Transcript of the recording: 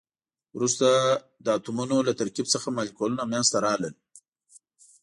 وروسته د اتمونو له ترکیب څخه مالیکولونه منځ ته راغلل.